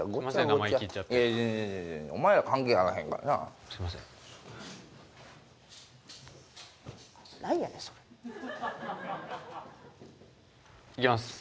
生意気言っちゃっていや全然全然お前ら関係あらへんからなすいません何やねんそれいきます